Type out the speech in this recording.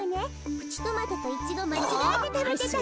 プチトマトとイチゴまちがえてたべてたの。